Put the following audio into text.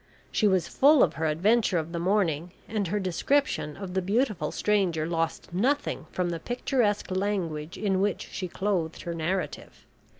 She was full of her adventure of the morning, and her description of the beautiful stranger lost nothing from the picturesque language in which she clothed her narrative.